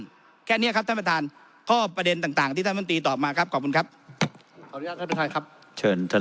เผื่อนึกแค่นี้ครับท่านประธานข้อประเด็นต่างพิธีต่อมาครับขอบคุณครับท่านครับเชิญท่าน